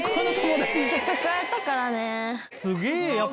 せっかく会えたからね。